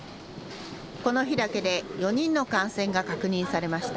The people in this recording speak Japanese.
この日だけで４人の感染が確認されました。